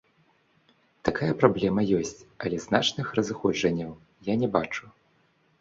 Такая праблема ёсць, але значных разыходжанняў я не бачу.